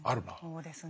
そうですね。